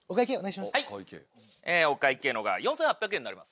お会計の方が４８００円になります。